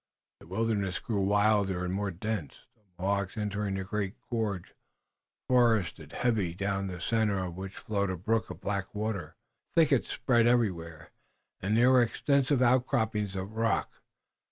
The wilderness grew wilder and more dense, the Mohawks entering a great gorge, forested heavily, down the center of which flowed a brook of black water. Thickets spread everywhere, and there were extensive outcroppings of rock.